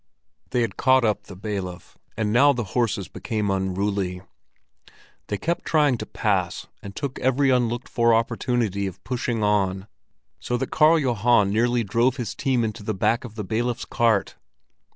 They had caught up the bailiff, and now the horses became unruly. They kept trying to pass and took every unlooked for opportunity of pushing on, so that Karl Johan nearly drove his team into the back of the bailiff's cart.